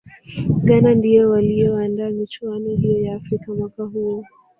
ghana ndiyo waliyoandaa michuano hiyo ya afrika mwaka huo